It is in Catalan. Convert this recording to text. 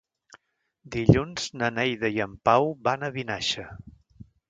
Dilluns na Neida i en Pau van a Vinaixa.